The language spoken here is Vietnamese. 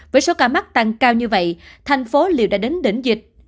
với số ca mắc tăng cao như vậy thành phố đều đã đến đỉnh dịch